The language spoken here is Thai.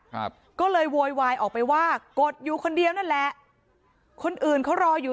ครับก็เลยโวยวายออกไปว่ากดอยู่คนเดียวนั่นแหละคนอื่นเขารออยู่